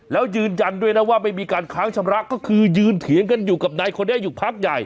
แล้วยืนยันด้วยนะว่าไม่มีการค้างชำระก็คือยืนเถียงกันอยู่กับนายคนนี้อยู่พักใหญ่